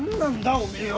おめえは。